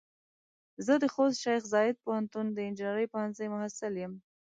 زه د خوست شیخ زايد پوهنتون د انجنیري پوهنځۍ محصل يم.